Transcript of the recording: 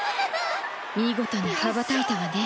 見事に羽ばたいたわね。